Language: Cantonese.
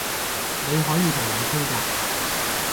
你可以同我傾㗎